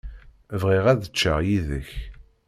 Bɣiɣ ad ččeɣ yid-k.